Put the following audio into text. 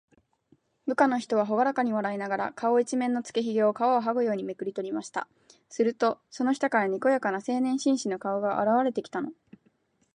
部下の男は、ほがらかに笑いながら、顔いちめんのつけひげを、皮をはぐようにめくりとりました。すると、その下から、にこやかな青年紳士の顔があらわれてきたのです。